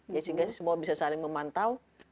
ya sehingga semua bisa saling memantau